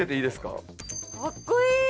かっこいい！